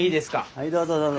はいどうぞどうぞ。